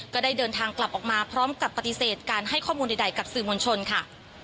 ก็ได้เดินทางกลับออกมาพร้อมกับปฏิเสธการให้ข้อมูลใดกับสื่อมวลชนค่ะ